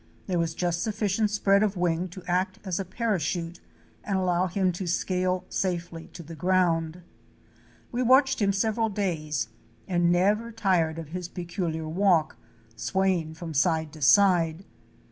There was just sufficient Fic. 126. WALKING Stick INSECT. spread of wing to act as a parachute and allow him to scale safely to the ground. We watched him several days and never tired of his pecu liar walk, swaying from side to side.